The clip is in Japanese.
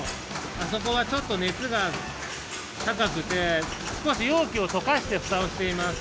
あそこはちょっとねつがたかくてすこしようきをとかしてふたをしています。